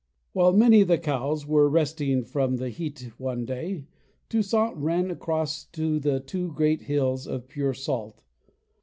While many of the cows were resting from the heat one day, Toussaint ran across to the two great hills of pure salt.